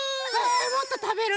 もっとたべる？